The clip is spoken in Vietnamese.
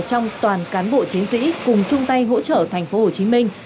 trong toàn cán bộ chiến sĩ cùng chung tay hỗ trợ thành phố hồ chí minh